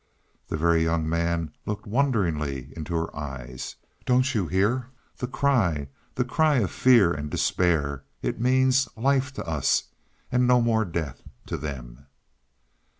The Very Young Man looked wonderingly into her eyes. "Don't you hear? That cry the cry of fear and despair. It means life to us; and no more death to them."